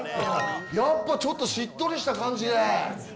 やっぱ、ちょっとしっとりした感じで。